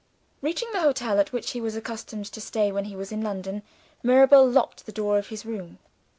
Reaching the hotel at which he was accustomed to stay when he was in London, Mirabel locked the door of his room.